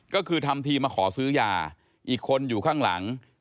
ก็คือทำทีมาขอซื้อยาอีกคนอยู่ข้างหลัง